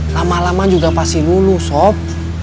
lama lama juga pasti lulu sob